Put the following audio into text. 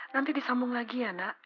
nanti disambung lagi ya nak